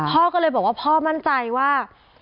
พ่อก็เลยบอกว่าพ่อมั่นใจว่า